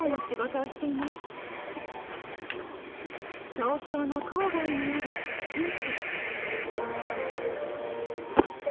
東京の郊外にある府中市。